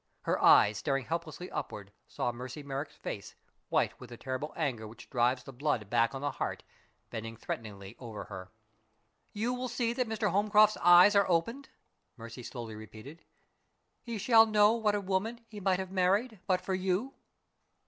Her eyes, staring helplessly upward, saw Mercy Merrick's face, white with the terrible anger which drives the blood back on the heart, bending threateningly over her. "'You will see that Mr. Holmcroft's eyes are opened,'" Mercy slowly repeated; "'he shall know what a woman he might have married but for you!